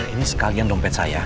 ini sekalian dompet saya